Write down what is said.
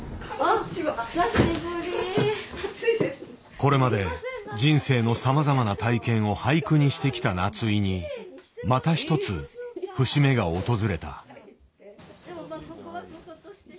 これまで人生のさまざまな体験を俳句にしてきた夏井にまた一つ節目が訪れた。